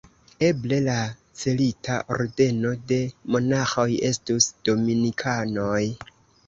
Eble la celita ordeno de monaĥoj estus dominikanoj.